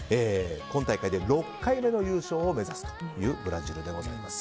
今大会で６回目の優勝を目指すというブラジルでございます。